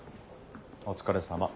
お疲れさま。